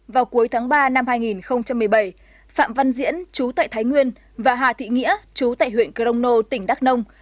vào cuối tháng ba năm hai nghìn một mươi bảy phạm văn diễn chú tại thái nguyên và hà thị nghĩa chú tại huyện crono tỉnh đắk nông